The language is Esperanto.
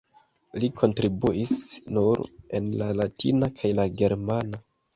Li kontribuis nur en la latina kaj la germana.